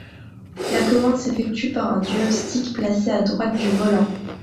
La commande s’effectue par un joystick placé à droite du volant.